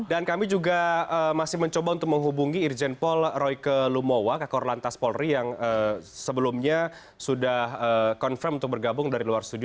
dan kami juga masih mencoba untuk menghubungi irjen paul royke lumowa kakor lantas polri yang sebelumnya sudah confirm untuk bergabung dari luar studio